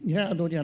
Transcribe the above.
ya aduh ya